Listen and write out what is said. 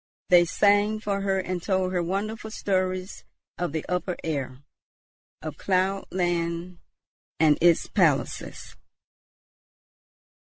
They sang for her and told her wonderful stories of the upper air, of cloud land and its palaces.